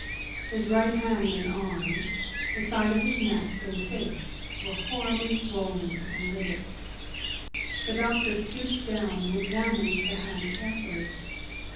His right hand and arm, the side of his neck and face were horribly swollen and livid. The doctor stooped down and examined the hand carefully.